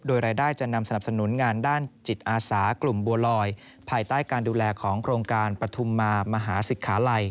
โดยรายได้จะนำสนับสนุนงานด้านจิตอาสากลุ่มบัวลอยภายใต้การดูแลของโครงการปฐุมมามหาศิกขาลัย